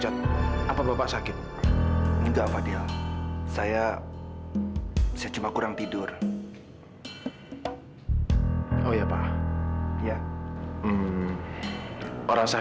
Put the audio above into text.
terima kasih ya sayang